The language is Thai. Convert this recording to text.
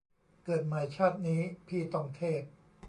เกิดใหม่ชาตินี้ พี่ต้องเทพ